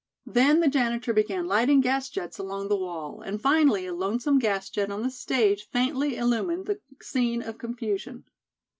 Then the janitor began lighting gas jets along the wall and finally a lonesome gas jet on the stage faintly illumined the scene of confusion.